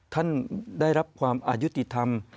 ท่านได้รับความอายุติธรรม